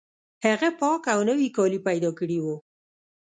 هغه پاک او نوي کالي پیدا کړي وو